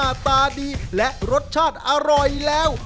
จะหน้าตาดีและรสชาติอร่อยแล้ว